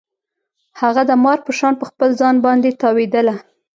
هغه د مار په شان په خپل ځان باندې تاوېدله.